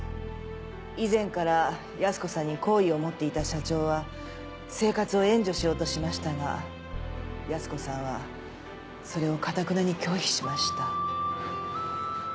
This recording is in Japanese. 以前から泰子さんに好意を持っていた社長は生活を援助しようとしましたが泰子さんはそれをかたくなに拒否しました。